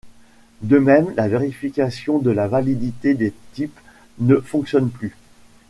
De même, la vérification de la validité des types ne fonctionne plus.